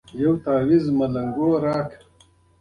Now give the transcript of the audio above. • د نن ورځې کسانو په اند کنفوسیوس اخلاقیاتو عیب درلود.